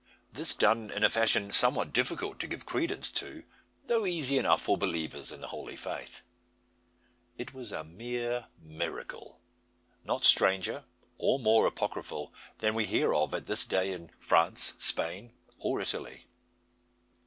This done in a fashion somewhat difficult to give credence to, though easy enough for believers in Holy Faith. It was a mere miracle; not stranger, or more apocryphal, than we hear of at this day in France, Spain, or Italy.